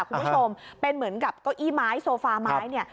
คุณผู้ชมเป็นเหมือนกับโก้ยี้ไม้โซฟาไม้